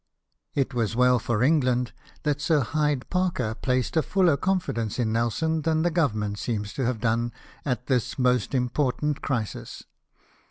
It was well for England that Sir Hyde Parker placed a fuller confi dence in Nelson than the Government seems to have done at this most important crisis.